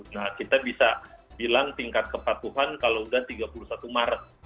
nah kita bisa bilang tingkat kepatuhan kalau sudah tiga puluh satu maret